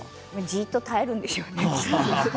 じっと耐えるんでしょうね。